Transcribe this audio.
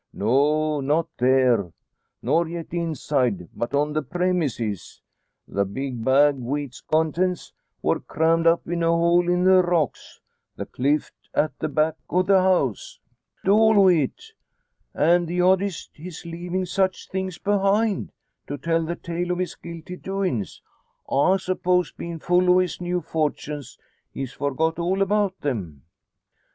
"No, not there, nor yet inside; but on the premises. The big bag, wi' its contents, wor crammed up into a hole in the rocks the clift at the back o' the house." "Odd, all o' it! An' the oddest his leavin' such things behind to tell the tale o' his guilty doin's; I suppose bein' full o' his new fortunes, he's forgot all about them."